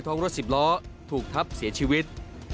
รถสิบล้อถูกทับเสียชีวิต